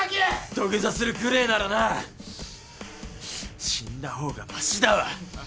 土下座するくれえならな死んだ方がましだわ！